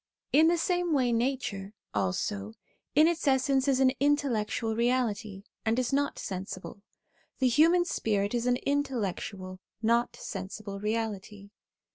In the same way nature, also, in its essence is an intellectual reality, and is not sensible ; the human spirit is an intellectual, not sensible reality.